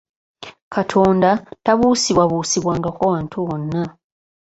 Katonda tabuusibwabuusibwangako wantu wonna.